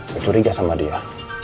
kecuriga sama dia